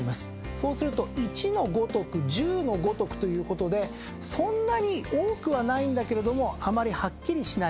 そうすると。ということでそんなに多くはないんだけれどもあまりはっきりしない。